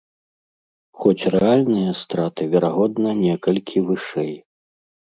Хоць рэальныя страты, верагодна, некалькі вышэй.